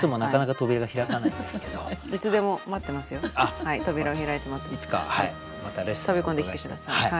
飛び込んできて下さい。